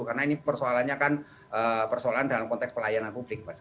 karena ini persoalannya kan persoalan dalam konteks pelayanan publik